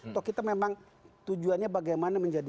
atau kita memang tujuannya bagaimana menjadi